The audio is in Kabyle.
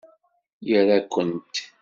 Ira-kent!